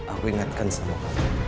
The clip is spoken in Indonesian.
aku ingatkan sama kamu